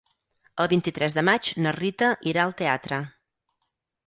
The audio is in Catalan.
El vint-i-tres de maig na Rita irà al teatre.